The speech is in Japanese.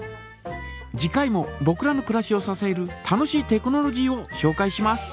次回もぼくらのくらしをささえる楽しいテクノロジーをしょうかいします。